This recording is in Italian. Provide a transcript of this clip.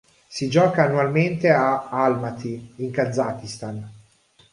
Si gioca annualmente a Almaty, in Kazakistan.